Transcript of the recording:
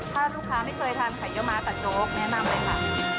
ถ้าลูกค้าไม่เคยทานไข่เยอะม้ากับโจ๊กแนะนำเลยค่ะ